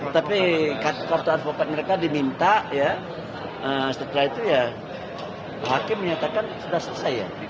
tapi kartu advokat mereka diminta ya setelah itu ya hakim menyatakan sudah selesai ya